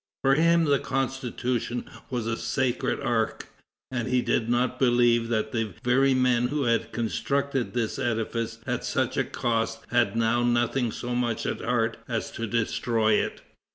For him the Constitution was the sacred ark, and he did not believe that the very men who had constructed this edifice at such a cost had now nothing so much at heart as to destroy it.